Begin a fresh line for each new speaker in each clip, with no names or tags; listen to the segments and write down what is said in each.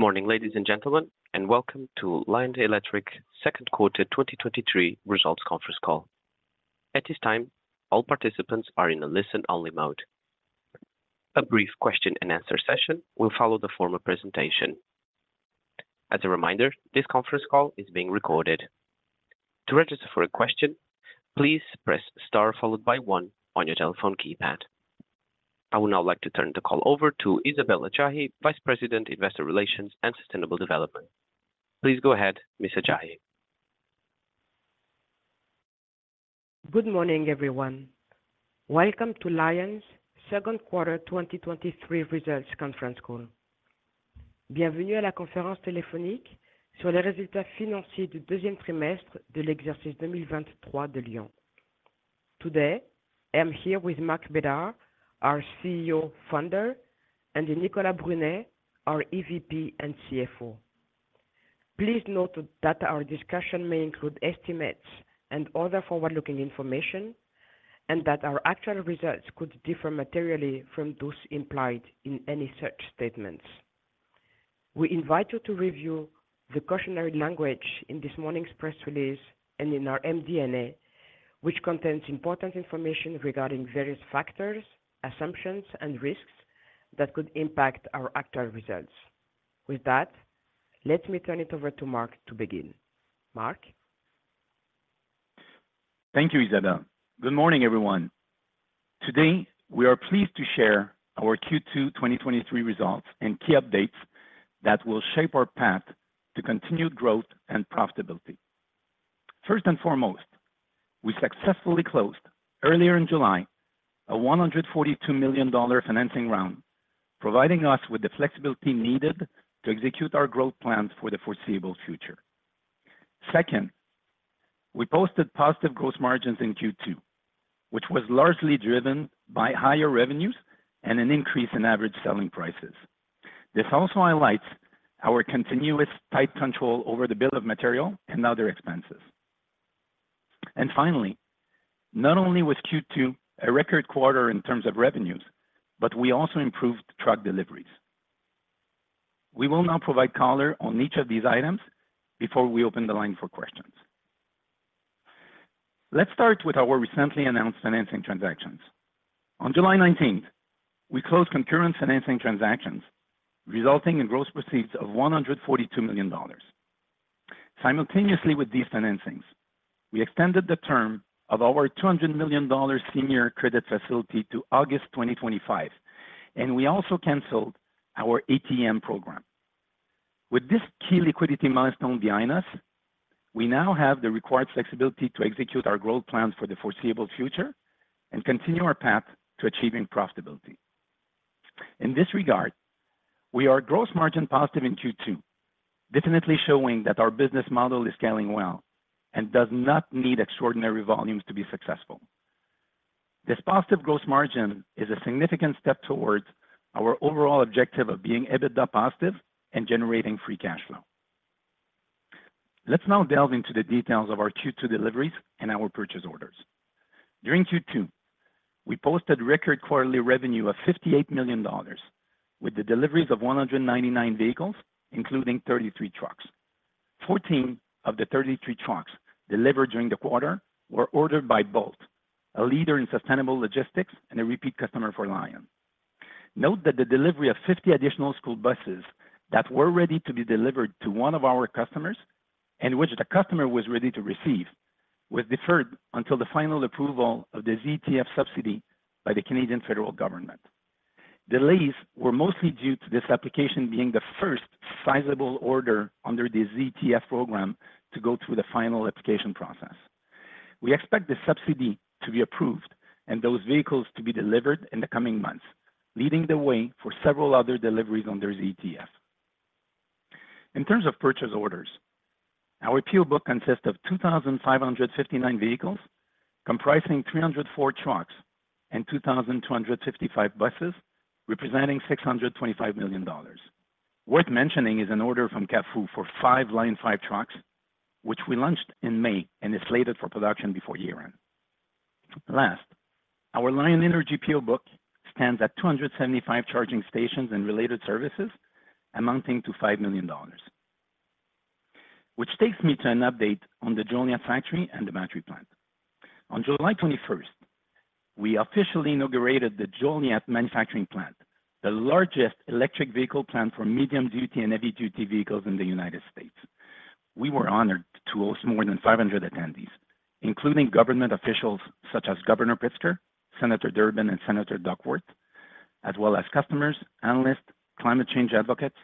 Good morning, ladies and gentlemen, welcome to Lion Electric Second Quarter 2023 Results Conference Call. At this time, all participants are in a listen-only mode. A brief question and answer session will follow the formal presentation. As a reminder, this conference call is being recorded. To register for a question, please press Star followed by 1 on your telephone keypad. I would now like to turn the call over to Isabelle Adjahi, Vice President, Investor Relations and Sustainable Development. Please go ahead, Ms. Adjahi.
Good morning, everyone. Welcome to Lion's Second Quarter 2023 Results Conference Call. Today, I am here with Marc Bédard, our CEO-Founder, and Nicolas Brunet, our EVP and CFO. Please note that our discussion may include estimates and other forward-looking information, and that our actual results could differ materially from those implied in any such statements. We invite you to review the cautionary language in this morning's press release and in our MD&A, which contains important information regarding various factors, assumptions, and risks that could impact our actual results. With that, let me turn it over to Marc to begin. Marc?
Thank you, Isabelle. Good morning, everyone. Today, we are pleased to share our Q2 2023 results and key updates that will shape our path to continued growth and profitability. First and foremost, we successfully closed earlier in July, a $142 million financing round, providing us with the flexibility needed to execute our growth plans for the foreseeable future. Second, we posted positive gross margins in Q2, which was largely driven by higher revenues and an increase in average selling prices. This also highlights our continuous tight control over the bill of material and other expenses. Finally, not only was Q2 a record quarter in terms of revenues, but we also improved truck deliveries. We will now provide color on each of these items before we open the line for questions. Let's start with our recently announced financing transactions. On July 19th, we closed concurrent financing transactions, resulting in gross proceeds of $142 million. Simultaneously, with these financings, we extended the term of our $200 million senior credit facility to August 2025, and we also canceled our ATM program. With this key liquidity milestone behind us, we now have the required flexibility to execute our growth plans for the foreseeable future and continue our path to achieving profitability. In this regard, we are gross margin positive in Q2, definitely showing that our business model is scaling well and does not need extraordinary volumes to be successful. This positive gross margin is a significant step towards our overall objective of being EBITDA positive and generating free cash flow. Let's now delve into the details of our Q2 deliveries and our purchase orders. During Q2, we posted record quarterly revenue of $58 million, with the deliveries of 199 vehicles, including 33 trucks. 14 of the 33 trucks delivered during the quarter were ordered by Bolt, a leader in sustainable logistics and a repeat customer for Lion. Note that the delivery of 50 additional school buses that were ready to be delivered to one of our customers, and which the customer was ready to receive, was deferred until the final approval of the ZETF subsidy by the Canadian federal government. Delays were mostly due to this application being the first sizable order under the ZETF program to go through the final application process. We expect the subsidy to be approved and those vehicles to be delivered in the coming months, leading the way for several other deliveries under ZETF. In terms of purchase orders, our PO book consists of 2,559 vehicles, comprising 304 trucks and 2,255 buses, representing $625 million. Worth mentioning is an order from CAFU for five Lion5 trucks, which we launched in May and is slated for production before year-end. Last, our LIONEnergy PO book stands at 275 charging stations and related services, amounting to $5 million. Which takes me to an update on the Joliet factory and the battery plant. On July 21st, we officially inaugurated the Joliet manufacturing plant, the largest electric vehicle plant for medium-duty and heavy-duty vehicles in the United States. We were honored to host more than 500 attendees, including government officials such as Governor Pritzker, Senator Durbin, and Senator Duckworth, as well as customers, analysts, climate change advocates,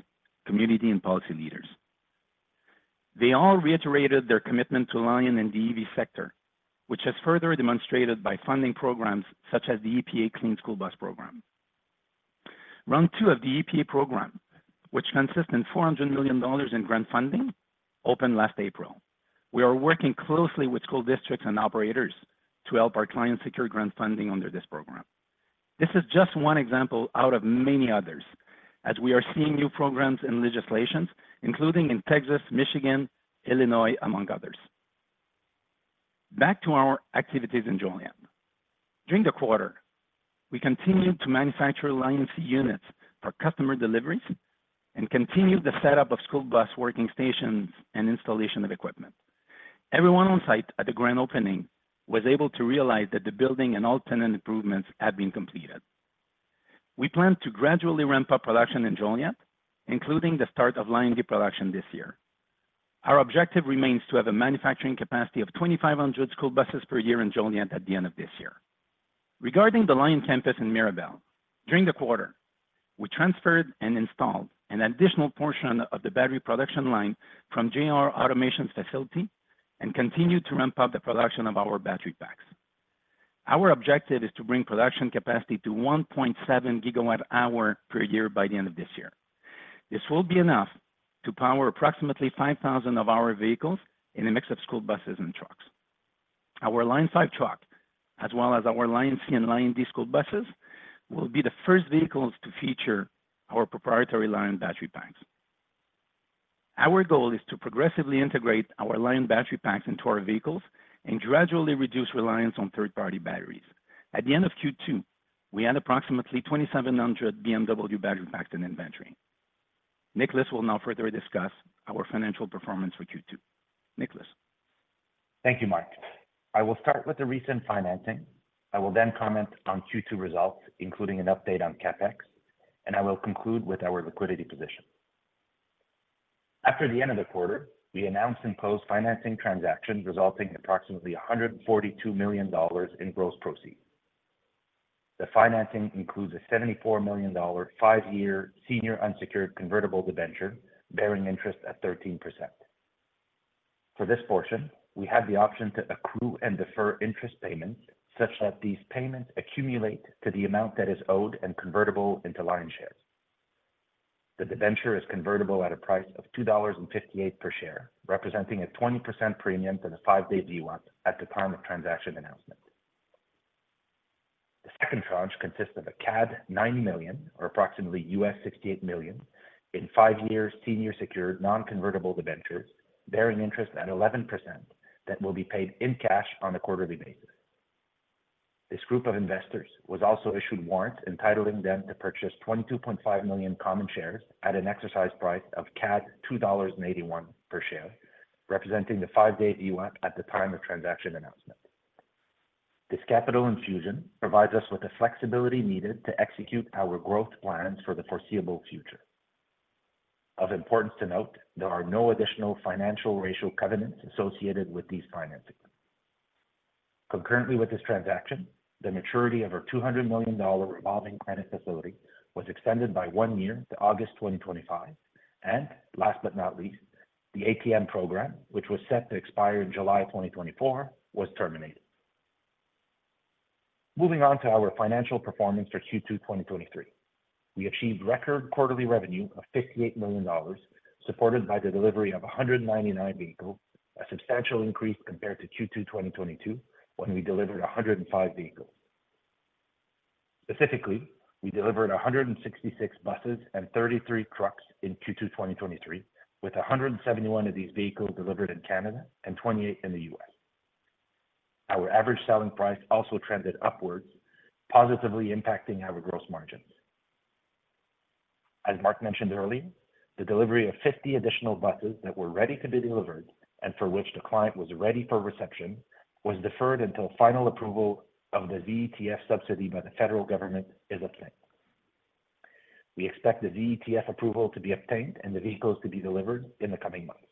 community and policy leaders. They all reiterated their commitment to Lion and the EV sector, which has further demonstrated by funding programs such as the EPA Clean School Bus Program. Round 2 of the EPA program, which consists in $400 million in grant funding, opened last April. We are working closely with school districts and operators to help our clients secure grant funding under this program. This is just one example out of many others, as we are seeing new programs and legislations, including in Texas, Michigan, Illinois, among others. Back to our activities in Joliet. During the quarter, we continued to manufacture LionC units for customer deliveries and continued the setup of school bus working stations and installation of equipment. Everyone on site at the grand opening was able to realize that the building and all tenant improvements had been completed. We plan to gradually ramp up production in Joliet, including the start of LionD production this year. Our objective remains to have a manufacturing capacity of 2,500 school buses per year in Joliet at the end of this year. Regarding the Lion Campus in Mirabel, during the quarter, we transferred and installed an additional portion of the battery production line from JR Automation facility and continued to ramp up the production of our battery packs. Our objective is to bring production capacity to 1.7 GWh per year by the end of this year. This will be enough to power approximately 5,000 of our vehicles in a mix of school buses and trucks. Our Lion5 truck, as well as our LionC and LionD school buses, will be the first vehicles to feature our proprietary Lion battery packs. Our goal is to progressively integrate our Lion battery packs into our vehicles and gradually reduce reliance on third-party batteries. At the end of Q2, we had approximately 2,700 BMW battery packs in inventory. Nicolas will now further discuss our financial performance for Q2. Nicolas?
Thank you, Marc. I will start with the recent financing. I will comment on Q2 results, including an update on CapEx, and I will conclude with our liquidity position. After the end of the quarter, we announced and closed financing transaction, resulting in approximately $142 million in gross proceeds. The financing includes a $74 million five-year senior unsecured convertible debenture, bearing interest at 13%. For this portion, we have the option to accrue and defer interest payments, such that these payments accumulate to the amount that is owed and convertible into Lion shares. The debenture is convertible at a price of $2.58 per share, representing a 20% premium to the five-day VWAP at the time of transaction announcement. The second tranche consists of a CAD 90 million, or approximately $68 million, in five years senior secured non-convertible debentures, bearing interest at 11%, that will be paid in cash on a quarterly basis. This group of investors was also issued warrants entitling them to purchase 22.5 million common shares at an exercise price of CAD 2.81 per share, representing the five-day VWAP at the time of transaction announcement. This capital infusion provides us with the flexibility needed to execute our growth plans for the foreseeable future. Of importance to note, there are no additional financial ratio covenants associated with these financings. Concurrently with this transaction, the maturity of our $200 million revolving credit facility was extended by one year to August 2025, and last but not least, the ATM program, which was set to expire in July 2024, was terminated. Moving on to our financial performance for Q2 2023. We achieved record quarterly revenue of $58 million, supported by the delivery of 199 vehicles, a substantial increase compared to Q2 2022, when we delivered 105 vehicles. Specifically, we delivered 166 buses and 33 trucks in Q2 2023, with 171 of these vehicles delivered in Canada and 28 in the U.S. Our average selling price also trended upwards, positively impacting our gross margins. As Marc mentioned earlier, the delivery of 50 additional buses that were ready to be delivered and for which the client was ready for reception, was deferred until final approval of the ZETF subsidy by the federal government is obtained. We expect the ZETF approval to be obtained and the vehicles to be delivered in the coming months.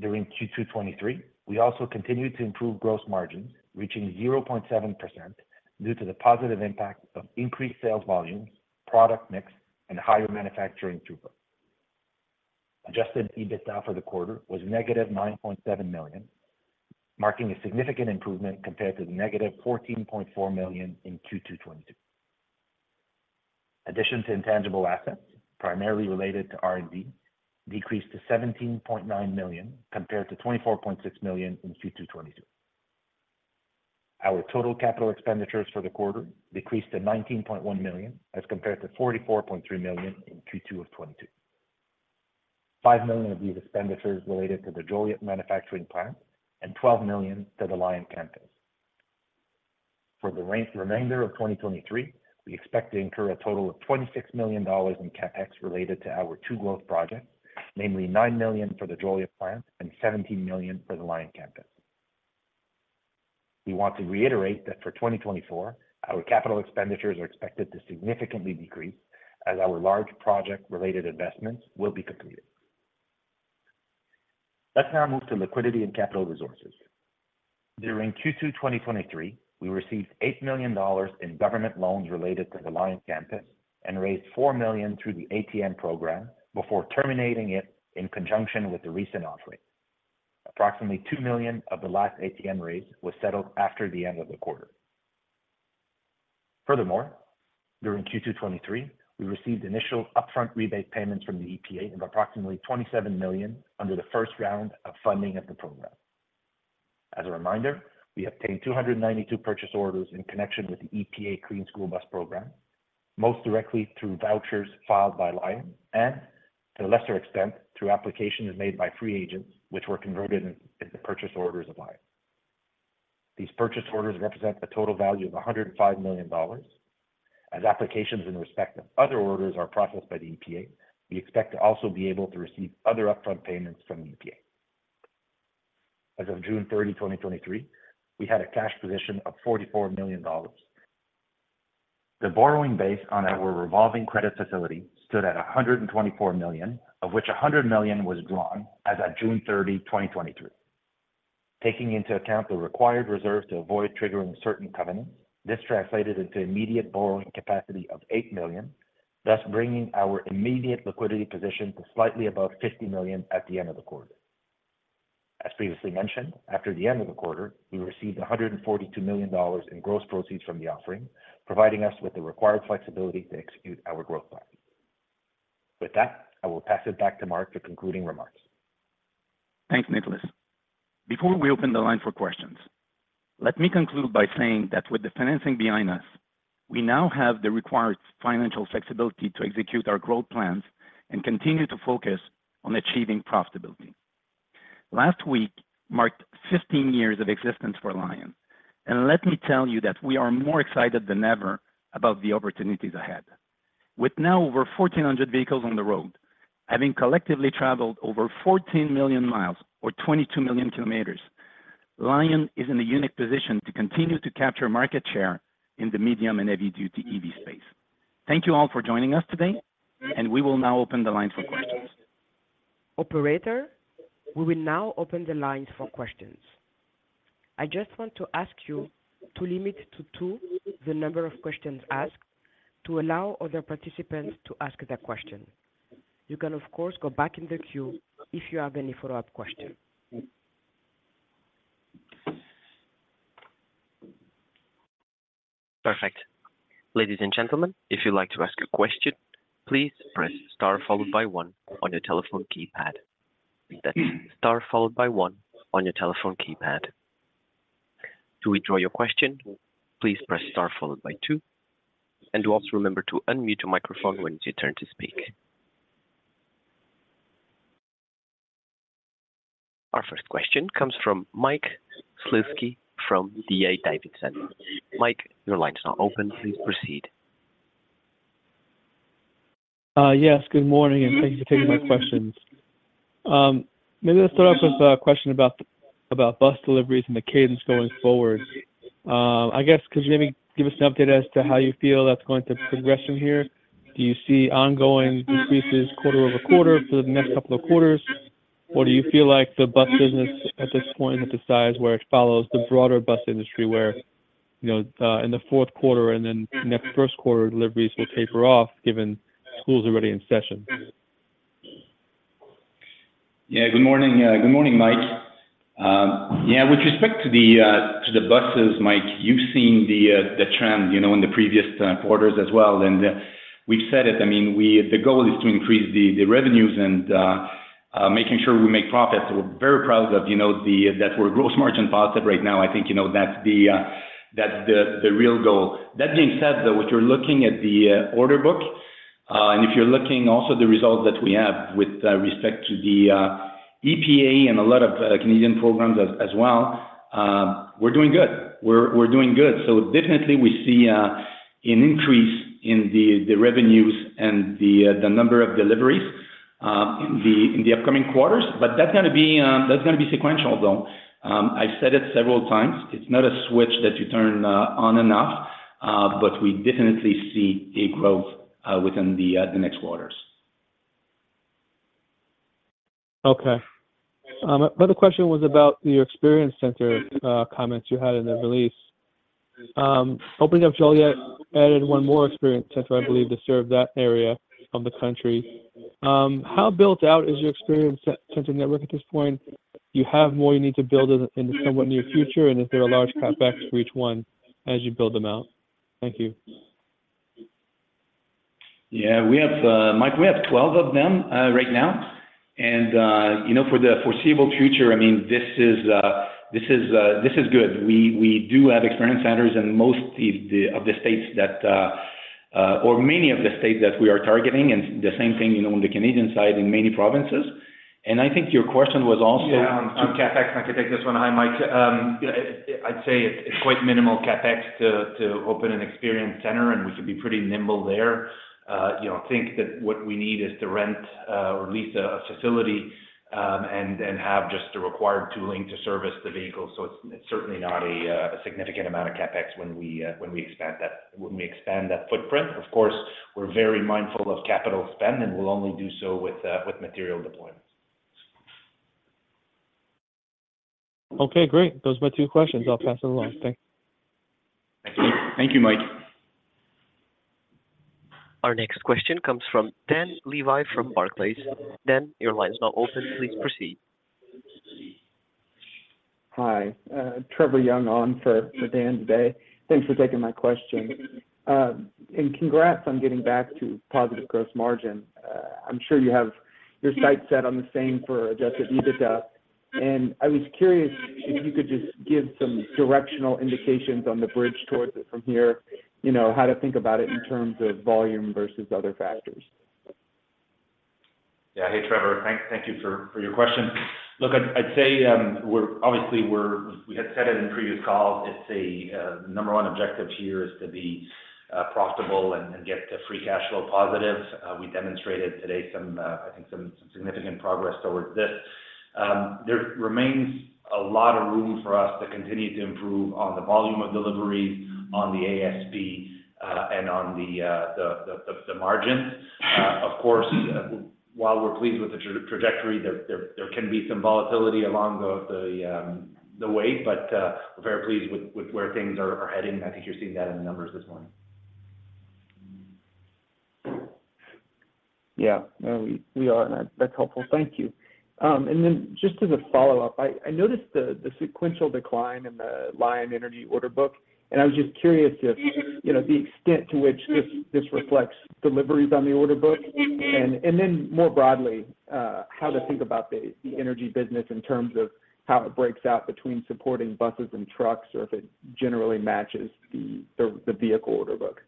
During Q2 2023, we also continued to improve gross margins, reaching 0.7% due to the positive impact of increased sales volumes, product mix, and higher manufacturing throughput. Adjusted EBITDA for the quarter was -$9.7 million, marking a significant improvement compared to the -$14.4 million in Q2 2022. Addition to intangible assets, primarily related to R&D, decreased to $17.9 million, compared to $24.6 million in Q2 2022. Our total capital expenditures for the quarter decreased to $19.1 million, as compared to $44.3 million in Q2 of 2022. $5 million of these expenditures related to the Joliet manufacturing plant and $12 million to the Lion Campus. For the remainder of 2023, we expect to incur a total of $26 million in CapEx related to our two growth projects, namely $9 million for the Joliet plant and $17 million for the Lion Campus. We want to reiterate that for 2024, our capital expenditures are expected to significantly decrease as our large project-related investments will be completed. Let's now move to liquidity and capital resources. During Q2 2023, we received $8 million in government loans related to the Lion Campus and raised $4 million through the ATM program before terminating it in conjunction with the recent offering. Approximately $2 million of the last ATM raise was settled after the end of the quarter. Furthermore, during Q2 2023, we received initial upfront rebate payments from the EPA of approximately $27 million under the first round of funding of the program. As a reminder, we obtained 292 purchase orders in connection with the EPA Clean School Bus Program. Most directly through vouchers filed by Lion, and to a lesser extent, through applications made by free agents, which were converted into purchase orders of Lion. These purchase orders represent a total value of $105 million. As applications in respect of other orders are processed by the EPA, we expect to also be able to receive other upfront payments from the EPA. As of June 30, 2023, we had a cash position of $44 million. The borrowing base on our revolving credit facility stood at $124 million, of which $100 million was drawn as at June 30, 2023. Taking into account the required reserve to avoid triggering certain covenants, this translated into immediate borrowing capacity of $8 million, thus bringing our immediate liquidity position to slightly above $50 million at the end of the quarter. As previously mentioned, after the end of the quarter, we received $142 million in gross proceeds from the offering, providing us with the required flexibility to execute our growth plan. With that, I will pass it back to Marc for concluding remarks.
Thanks, Nicolas. Before we open the line for questions, let me conclude by saying that with the financing behind us, we now have the required financial flexibility to execute our growth plans and continue to focus on achieving profitability. Last week marked 15 years of existence for Lion. Let me tell you that we are more excited than ever about the opportunities ahead. With now over 1,400 vehicles on the road, having collectively traveled over 14 million mi or 22 million km, Lion is in a unique position to continue to capture market share in the medium and heavy-duty EV space. Thank you all for joining us today, and we will now open the line for questions.
Operator, we will now open the lines for questions. I just want to ask you to limit to two, the number of questions asked, to allow other participants to ask their question. You can, of course, go back in the queue if you have any follow-up question.
Perfect. Ladies and gentlemen, if you'd like to ask a question, please press Star followed by one on your telephone keypad. That's Star followed by one on your telephone keypad. To withdraw your question, please press Star followed by two, and do also remember to unmute your microphone when it's your turn to speak. Our first question comes from Mike Shlisky from DA Davidson. Mike, your line is now open. Please proceed.
Yes, good morning, thank you for taking my questions. Maybe let's start off with a question about, about bus deliveries and the cadence going forward. I guess, could you maybe give us an update as to how you feel that's going to progress from here? Do you see ongoing increases quarter-over-quarter for the next two quarters? Or do you feel like the bus business at this point is the size where it follows the broader bus industry, where, you know, in the fourth quarter and then next first quarter, deliveries will taper off, given school is already in session?
Yeah. Good morning. Good morning, Mike. Yeah, with respect to the to the buses, Mike, you've seen the the trend, you know, in the previous quarters as well. We've said it, I mean, the goal is to increase the the revenues and making sure we make profits. We're very proud of, you know, that we're gross margin positive right now. I think, you know, that's the that's the real goal. That being said, though, if you're looking at the order book, if you're looking also the results that we have with respect to the EPA and a lot of Canadian programs as well, we're doing good. We're doing good. Definitely we see an increase in the, the revenues and the number of deliveries in the, in the upcoming quarters, but that's gonna be that's gonna be sequential, though. I've said it several times, it's not a switch that you turn on and off, but we definitely see a growth within the next quarters.
Okay. My other question was about your Experience Center, comments you had in the release. Opening up Joliet, added one more Experience Center, I believe, to serve that area of the country. How built out is your Experience Center network at this point? Do you have more you need to build in the somewhat near future, and if there are large CapEx for each one as you build them out? Thank you.
Yeah, we have, Mike, we have 12 of them right now. You know, for the foreseeable future, I mean, this is, this is, this is good. We, we do have Experience Centers in most the, the, of the states that, or many of the states that we are targeting, and the same thing, you know, on the Canadian side, in many provinces. I think your question was also-
Yeah, on CapEx, I can take this one. Hi, Mike. I'd say it's quite minimal CapEx to, to open an Experience Center, and we could be pretty nimble there. You know, think that what we need is to rent or lease a facility, and have just the required tooling to service the vehicle. It's, it's certainly not a significant amount of CapEx when we, when we expand that, when we expand that footprint. Of course, we're very mindful of capital spend, and we'll only do so with material deployments.
Okay, great. Those are my two questions. I'll pass it along. Thanks.
Thank you, Mike.
Our next question comes from Dan Levy from Barclays. Dan, your line is now open. Please proceed.
Hi. Trevor Young on for, for Dan today. Thanks for taking my question. Congrats on getting back to positive gross margin. I'm sure you have your sights set on the same for adjusted EBITDA. I was curious if you could just give some directional indications on the bridge towards it from here, you know, how to think about it in terms of volume versus other factors?
Yeah. Hey, Trevor. Thank you for your question. Look, I'd say, we're obviously, we had said it in previous calls, it's the number one objective here is to be profitable and get to free cash flow positive. We demonstrated today some, I think some significant progress towards this. There remains a lot of room for us to continue to improve on the volume of deliveries, on the ASP, and on the margins. Of course, while we're pleased with the trajectory, there can be some volatility along the way, but we're very pleased with where things are heading. I think you're seeing that in the numbers this morning.
Yeah. No, we, we are, and that's helpful. Thank you. Then just as a follow-up, I, I noticed the, the sequential decline in the LIONEnergy order book, and I was just curious if, you know, the extent to which this, this reflects deliveries on the order book? Then more broadly, how to think about the, the energy business in terms of how it breaks out between supporting buses and trucks, or if it generally matches the, the, the vehicle order book.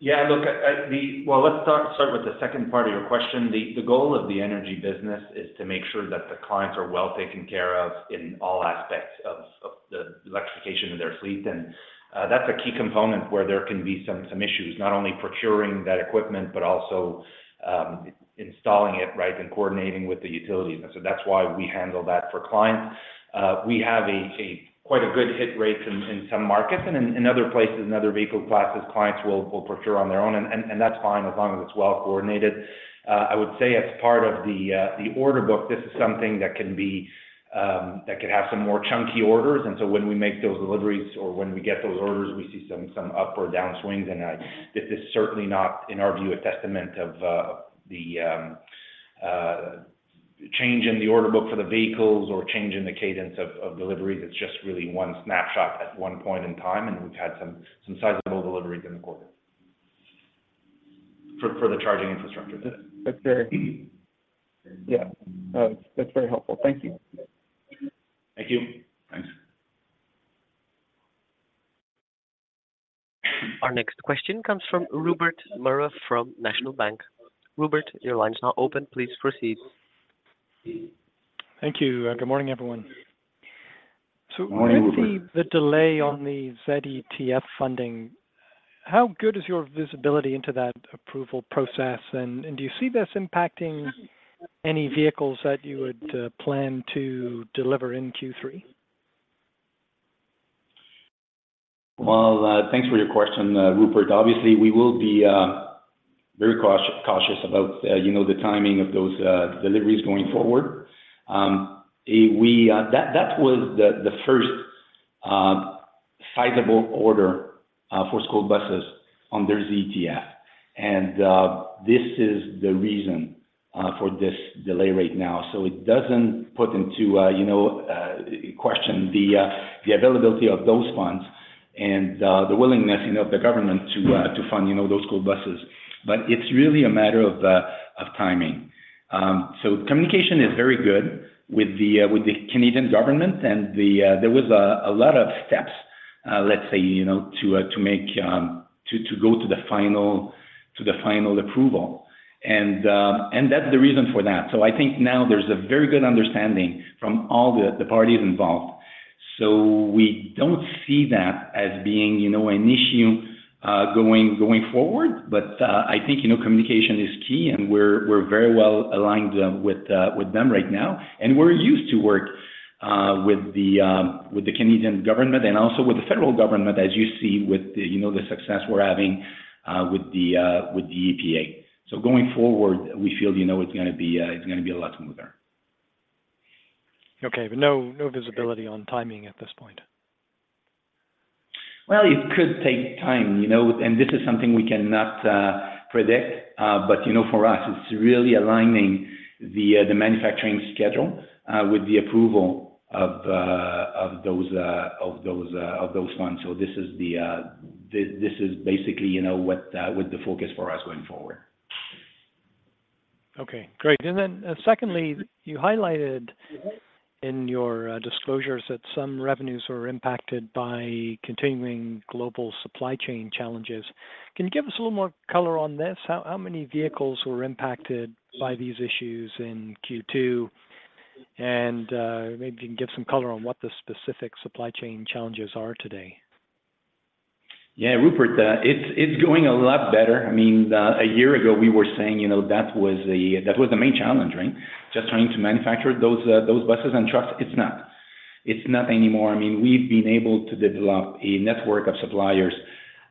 Yeah, look, the... Well, let's start, start with the second part of your question. The goal of the energy business is to make sure that the clients are well taken care of in all aspects of the electrification of their fleet. That's a key component where there can be some, some issues, not only procuring that equipment, but also installing it, right? Coordinating with the utilities. So that's why we handle that for clients. We have a quite a good hit rate in some markets, and in other places, in other vehicle classes, clients will procure on their own, and that's fine, as long as it's well coordinated. I would say as part of the order book, this is something that can be that could have some more chunky orders. When we make those deliveries or when we get those orders, we see some, some up or downswings, and this is certainly not, in our view, a testament of the change in the order book for the vehicles or change in the cadence of, of deliveries. It's just really one snapshot at one point in time, and we've had some, some sizable deliveries in the quarter. For, for the charging infrastructure.
That's yeah. That's very helpful. Thank you.
Thank you. Thanks.
Our next question comes from Rupert Merer, from National Bank. Rupert, your line is now open. Please proceed.
Thank you. Good morning, everyone.
Good morning, Rupert.
With the, the delay on the ZETF funding, how good is your visibility into that approval process? And do you see this impacting any vehicles that you would plan to deliver in Q3?
Well, thanks for your question, Rupert. Obviously, we will be very cautious about, you know, the timing of those deliveries going forward. That, that was the first sizable order for school buses on their ZETF, and this is the reason for this delay right now. it doesn't put into, you know, question the availability of those funds and the willingness, you know, of the government to fund, you know, those school buses. it's really a matter of timing. communication is very good with the Canadian government, and there was a lot of steps, let's say, you know, to make to go to the final, to the final approval. That's the reason for that. I think now there's a very good understanding from all the parties involved. We don't see that as being, you know, an issue going forward. I think, you know, communication is key, and we're very well aligned with them right now. We're used to work with the Canadian government and also with the federal government, as you see with the, you know, the success we're having with the EPA. Going forward, we feel, you know, it's gonna be a lot smoother.
Okay. No, no visibility on timing at this point?
Well, it could take time, you know. This is something we cannot predict. You know, for us, it's really aligning the manufacturing schedule with the approval of those, of those, of those funds. This is the, this, this is basically, you know, what the, what the focus for us going forward.
Okay, great. Secondly, you highlighted in your disclosures that some revenues were impacted by continuing global supply chain challenges. Can you give us a little more color on this? How many vehicles were impacted by these issues in Q2? Maybe you can give some color on what the specific supply chain challenges are today.
Yeah, Rupert, it's, it's going a lot better. I mean, a year ago, we were saying, you know, that was the, that was the main challenge, right? Just trying to manufacture those, those buses and trucks. It's not. It's not anymore. I mean, we've been able to develop a network of suppliers,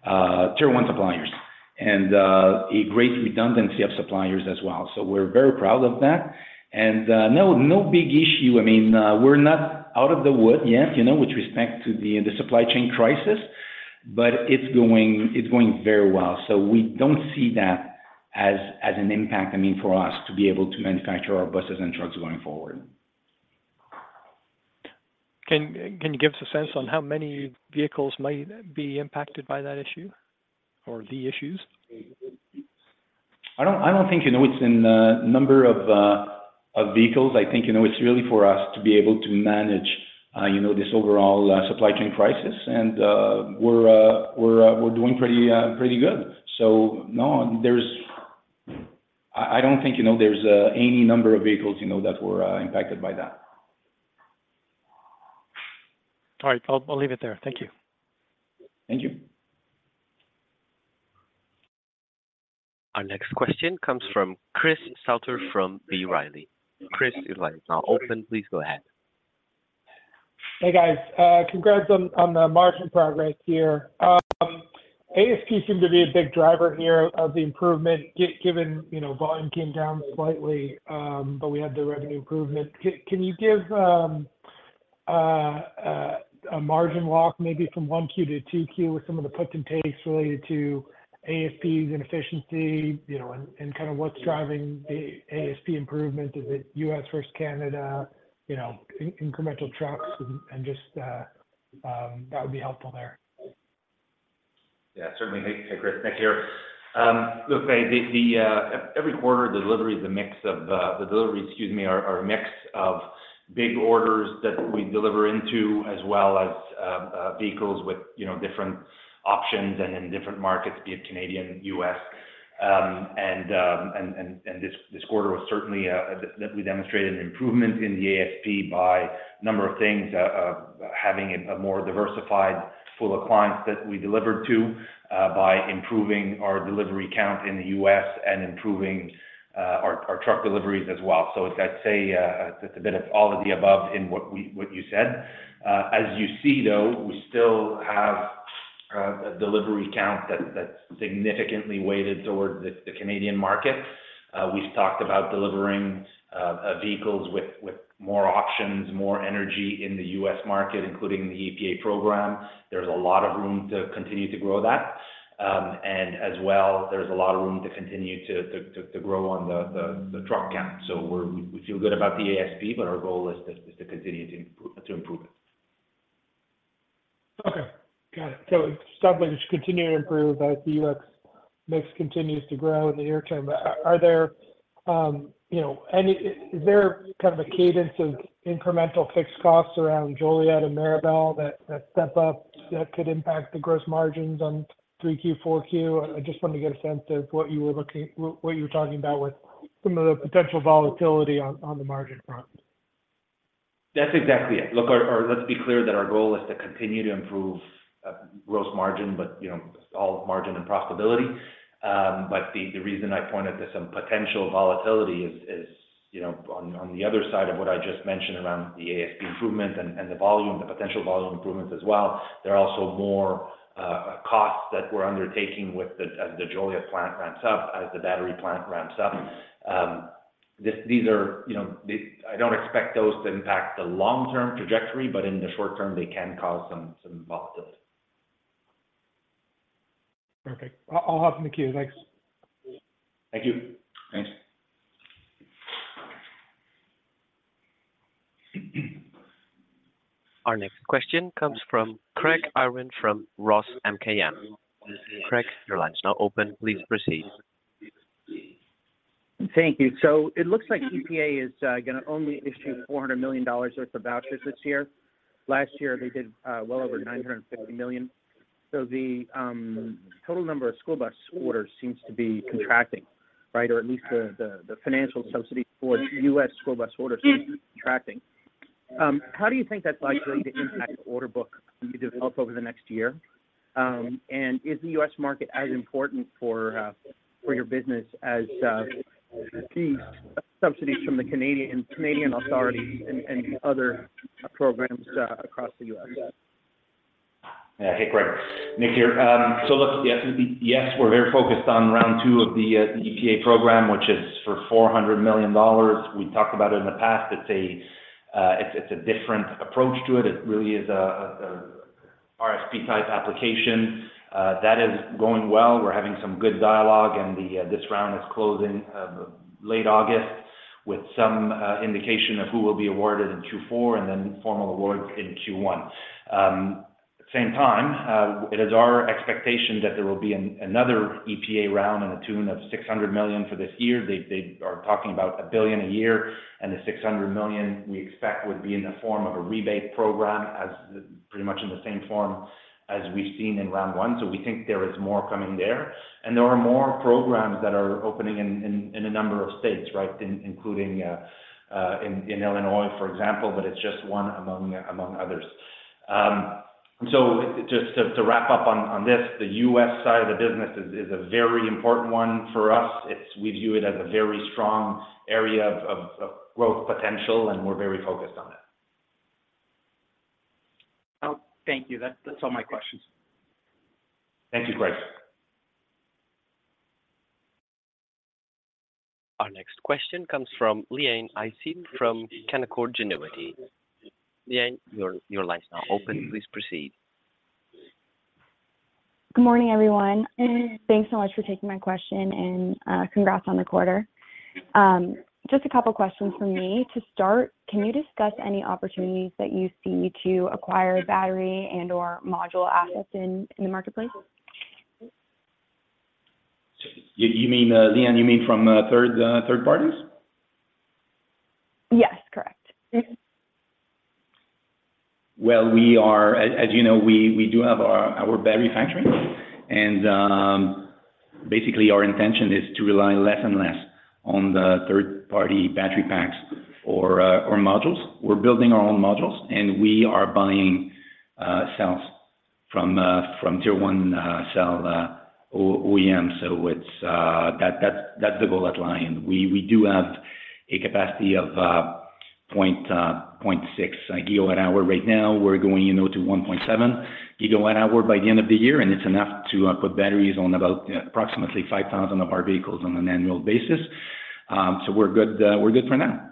tier one suppliers, and, a great redundancy of suppliers as well. We're very proud of that. No, no big issue. I mean, we're not out of the woods yet, you know, with respect to the, the supply chain crisis, but it's going, it's going very well. We don't see that as, as an impact, I mean, for us to be able to manufacture our buses and trucks going forward.
Can, can you give us a sense on how many vehicles might be impacted by that issue or the issues?
I don't, I don't think, you know, it's in the number of vehicles. I think, you know, it's really for us to be able to manage, you know, this overall supply chain crisis. We're, we're, we're doing pretty, pretty good. No, I don't think, you know, there's any number of vehicles, you know, that were impacted by that.
All right. I'll leave it there. Thank you.
Thank you.
Our next question comes from Chris Souther from B Riley. Chris, your line is now open. Please go ahead.
Hey, guys, congrats on, on the margin progress here. ASPs seemed to be a big driver here of the improvement, given, you know, volume came down slightly, but we had the revenue improvement. Can, can you give a margin walk, maybe from 1Q to 2Q with some of the puts and takes related to ASPs and efficiency, you know, and, and kind of what's driving the ASP improvement? Is it U.S. versus Canada, incremental trucks and, and just that would be helpful there?
Yeah, certainly. Hey, hey, Chris, Nick here. Look, the, the every quarter, deliveries, excuse me, are a mix of big orders that we deliver into, as well as, vehicles with, you know, different options and in different markets, be it Canadian, U.S. And this quarter was certainly that we demonstrated an improvement in the ASP by number of things, having a more diversified pool of clients that we delivered to, by improving our delivery count in the U.S. and improving our truck deliveries as well. I'd say, it's a bit of all of the above in what we, what you said. As you see, though, we still have a delivery count that's significantly weighted towards the Canadian market. We've talked about delivering vehicles with, with more options, more energy in the U.S. market, including the EPA program. There's a lot of room to continue to grow that. As well, there's a lot of room to continue to grow on the truck count. We feel good about the ASP, but our goal is to, is to continue to improve, to improve it.
Okay, got it. It's definitely continuing to improve as the U.S. mix continues to grow in the near term. Are, are there, you know, is there kind of a cadence of incremental fixed costs around Joliet and Mirabel that, that step up, that could impact the gross margins on 3Q, Q4? I just wanted to get a sense of what you were looking, what, what you were talking about with some of the potential volatility on, on the margin front.
That's exactly it. Look, let's be clear that our goal is to continue to improve gross margin, but, you know, all margin and profitability. The reason I pointed to some potential volatility is, you know, on, on the other side of what I just mentioned around the ASP improvement and, and the volume, the potential volume improvements as well, there are also more costs that we're undertaking with as the Joliet plant ramps up, as the battery plant ramps up. This, these are, you know, I don't expect those to impact the long-term trajectory, but in the short term, they can cause some, some volatility.
Perfect. I'll hop in the queue. Thanks.
Thank you. Thanks.
Our next question comes from Craig Irwin from ROTH MKM. Craig, your line is now open. Please proceed.
Thank you. It looks like EPA is gonna only issue $400 million worth of vouchers this year. Last year, they did well over $950 million. The total number of school bus orders seems to be contracting, right? At least the financial subsidy for U.S. school bus orders seems to be contracting. How do you think that's likely to impact the order book you develop over the next year? Is the U.S. market as important for your business as the subsidies from the Canadian authorities and other programs across the U.S.?
Yeah. Hey, Craig. Nick here. Look, yes, yes, we're very focused on Round 2 of the EPA program, which is for $400 million. We talked about it in the past. It's a, it's, it's a different approach to it. It really is a, a, a RSP type application. That is going well. We're having some good dialogue, this round is closing late August, with some indication of who will be awarded in Q4 and then formal awards in Q1. At the same time, it is our expectation that there will be another EPA round in the tune of $600 million for this year. They are talking about $1 billion a year. The $600 million, we expect, would be in the form of a rebate program, as pretty much in the same form as we've seen in Round One. We think there is more coming there. There are more programs that are opening in a number of states, right, including in Illinois, for example, but it's just one among others. Just to wrap up on this, the U.S. side of the business is a very important one for us. We view it as a very strong area of growth potential, and we're very focused on it.
Oh, thank you. That's, that's all my questions.
Thank you, Craig.
Our next question comes from Leanne Hayden from Canaccord Genuity. Leanne, your line is now open. Please proceed.
Good morning, everyone, thanks so much for taking my question, and congrats on the quarter. Just a couple questions from me. To start, can you discuss any opportunities that you see to acquire battery and/or module assets in, in the marketplace?
You mean Leanne, you mean from third parties?
Yes, correct.
Well, as you know, we, we do have our, our battery factory. Basically, our intention is to rely less and less on the third-party battery packs or modules. We're building our own modules, and we are buying cells from from tier one cell OEM, so that's the goal at Lion. We, we do have a capacity of 0.6 GWh right now. We're going, you know, to 1.7 GWh by the end of the year, and it's enough to put batteries on about approximately 5,000 of our vehicles on an annual basis. We're good, we're good for now.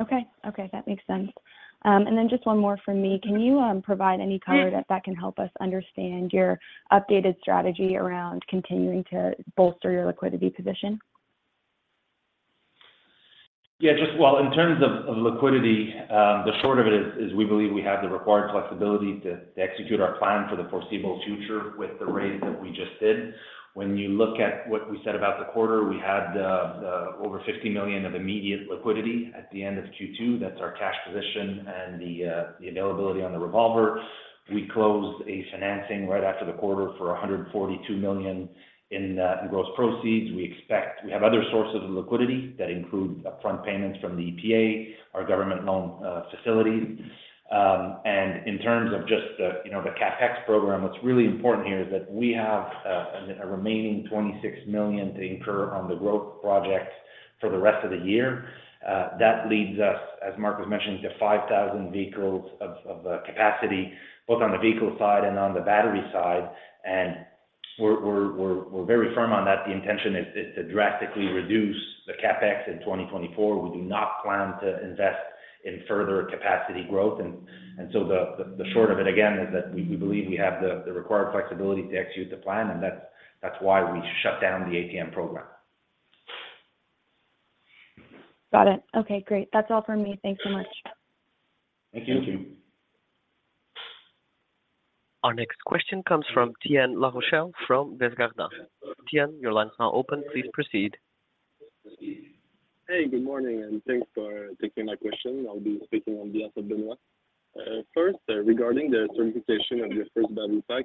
Okay. Okay, that makes sense. Just one more from me. Can you provide any color that can help us understand your updated strategy around continuing to bolster your liquidity position?
Yeah, just well, in terms of, of liquidity, the short of it is, is we believe we have the required flexibility to, to execute our plan for the foreseeable future with the raise that we just did. When you look at what we said about the quarter, we had the, the over $50 million of immediate liquidity at the end of Q2. That's our cash position and the, the availability on the revolver. We closed a financing right after the quarter for $142 million in, in gross proceeds. We have other sources of liquidity that include upfront payments from the EPA, our government loan, facility. In terms of just the, you know, the CapEx program, what's really important here is that we have a remaining $26 million to incur on the growth projects for the rest of the year. That leads us, as Marc was mentioning, to 5,000 vehicles of capacity, both on the vehicle side and on the battery side. We're very firm on that. The intention is to drastically reduce the CapEx in 2024. We do not plan to invest in further capacity growth. The short of it, again, is that we believe we have the required flexibility to execute the plan, and that's why we shut down the ATM program.
Got it. Okay, great. That's all for me. Thank you so much.
Thank you.
Our next question comes from Étienne Larochelle from Desjardins. Étienne, your line is now open. Please proceed.
Hey, good morning, and thanks for taking my question. I'll be speaking on behalf of Benoit. First, regarding the certification of your first battery pack,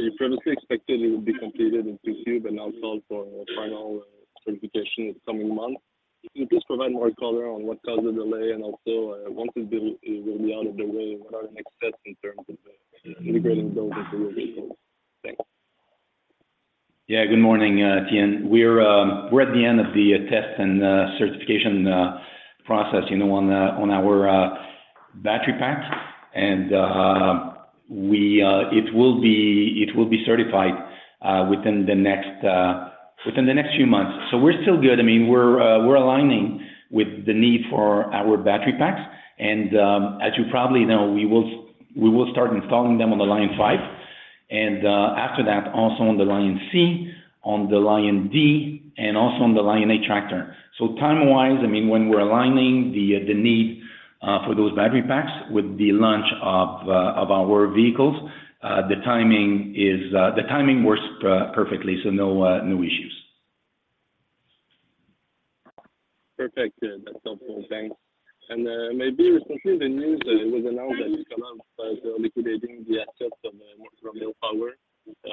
you previously expected it would be completed in Q2, but now sold for final certification in coming months. Can you please provide more color on what caused the delay, and also, once it will be out of the way, what are the next steps in terms of integrating those into your vehicles? Thanks.
Yeah, good morning, Étienne. We're, we're at the end of the test and certification process, you know, on the, on our battery pack. We, it will be, it will be certified within the next within the next few months. We're still good. I mean, we're aligning with the need for our battery packs. As you probably know, we will, we will start installing them on the Lion5, and after that, also on the LionC, on the LionD, and also on the Lion8 Tractor. Time-wise, I mean, when we're aligning the, the need for those battery packs with the launch of our vehicles, the timing is, the timing works perfectly, so no, no issues.
Perfect. That's helpful. Thanks. Maybe recently the news, it was announced that Nikola was liquidating the assets of the Romeo Power.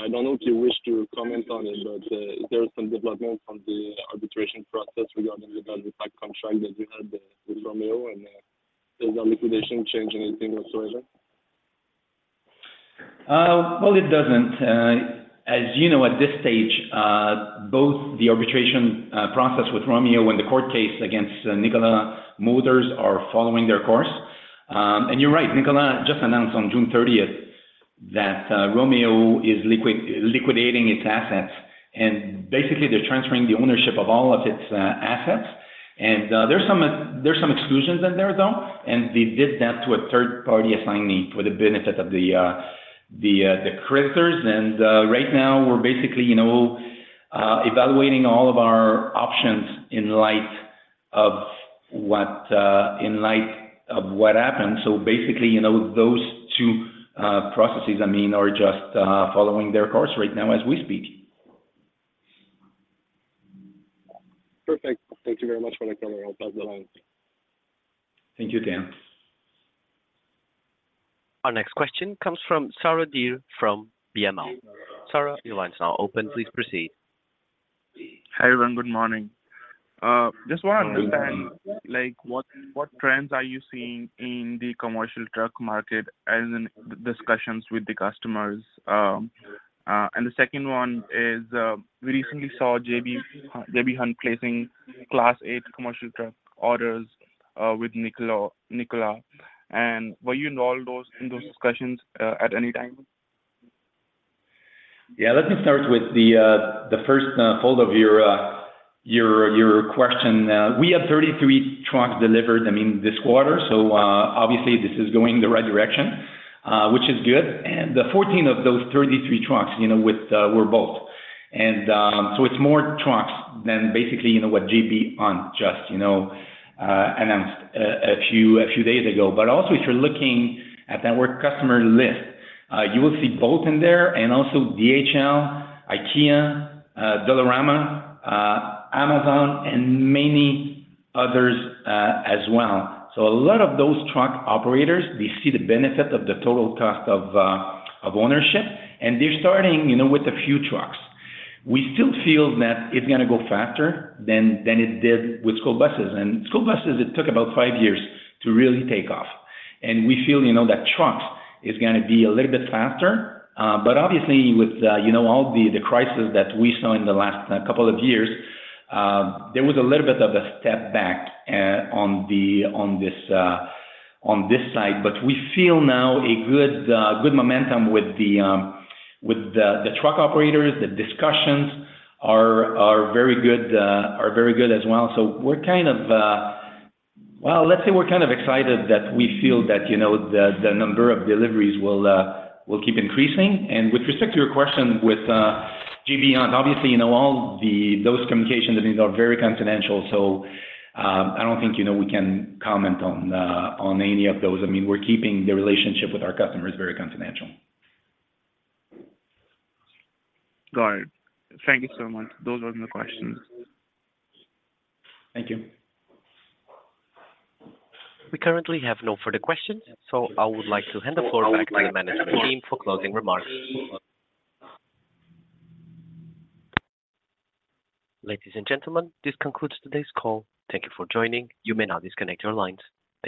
I don't know if you wish to comment on it, but, is there some development from the arbitration process regarding the battery pack contract that you had with Romeo, and, does the liquidation change anything whatsoever?
Well, it doesn't. As you know, at this stage, both the arbitration process with Romeo and the court case against Nikola Motors are following their course. You're right, Nikola just announced on June 30th that Romeo is liquidating its assets, and basically, they're transferring the ownership of all of its assets. There's some exclusions in there, though, and they did that to a third-party assignee for the benefit of the creditors. Right now, we're basically, you know, evaluating all of our options in light of what in light of what happened. Basically, you know, those two processes, I mean, are just following their course right now as we speak.
Perfect. Thank you very much for that clarity. I'll pause the line.
Thank you, Étienne.
Our next question comes from [Sarah Dir from BMO]. Sarah, your line is now open. Please proceed.
Hi, everyone. Good morning. Just want to understand, like, what trends are you seeing in the commercial truck market as in discussions with the customers? The second one is, we recently saw JB Hunt placing Class 8 commercial truck orders with Nikola. Were you involved in those discussions at any time?
Yeah, let me start with the first fold of your, your, your question. We have 33 trucks delivered, I mean, this quarter. Obviously this is going in the right direction, which is good. The 14 of those 33 trucks, you know, with were Bolt. It's more trucks than basically, you know, what GB just, you know, announced a few, a few days ago. If you're looking at that work customer list, you will see Bolt in there and also DHL, IKEA, Dollarama, Amazon, and many others as well. A lot of those truck operators, they see the benefit of the total cost of ownership, and they're starting, you know, with a few trucks. We still feel that it's gonna go faster than, than it did with school buses. School buses, it took about five years to really take off, and we feel, you know, that trucks is gonna be a little bit faster. But obviously, with, you know, all the, the crisis that we saw in the last couple of years, there was a little bit of a step back on this side. We feel now a good momentum with the truck operators. The discussions are, are very good, are very good as well. We're kind of, well, let's say we're kind of excited that we feel that, you know, the, the number of deliveries will keep increasing. With respect to your question with GB on, obviously, you know, all the those communications, I mean, are very confidential. I don't think, you know, we can comment on, on any of those. I mean, we're keeping the relationship with our customers very confidential.
Got it. Thank you so much. Those are my questions.
Thank you.
We currently have no further questions, so I would like to hand the floor back to the management team for closing remarks. Ladies and gentlemen, this concludes today's call. Thank you for joining. You may now disconnect your lines.